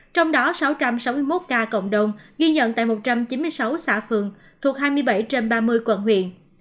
trong đó sáu trăm sáu mươi một ca cộng đồng ghi nhận tại một trăm chín mươi sáu xã phường thuộc hai mươi bảy trên ba mươi quận huyện